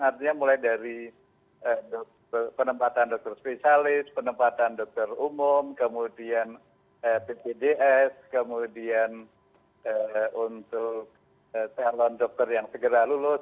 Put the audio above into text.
artinya mulai dari penempatan dokter spesialis penempatan dokter umum kemudian ppds kemudian untuk calon dokter yang segera lulus